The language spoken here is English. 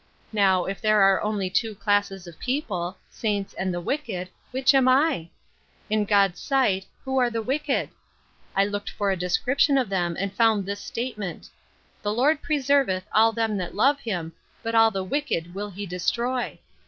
Now, if there are only two classes of people, saints and the wicked, which am I ? In God's sight who are the wicked ? I looked for a description of them and found this statement :* The Lord preserveth all them that love him, but all the wicked will he destroy.'